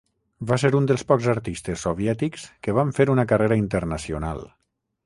Va ser un dels pocs artistes soviètics que van fer una carrera internacional.